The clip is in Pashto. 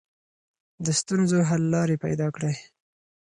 د ستونزو حل لارې پیدا کړئ.